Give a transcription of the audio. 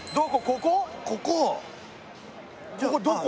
ここどこ？